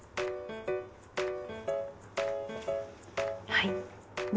はい。